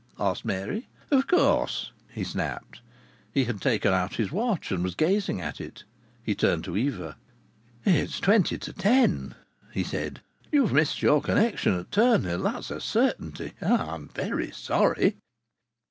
asked Mary. "Of course," he snapped. He had taken out his watch and was gazing at it. He turned to Eva. "It's twenty to ten," he said. "You've missed your connection at Turnhill that's a certainty. I'm very sorry."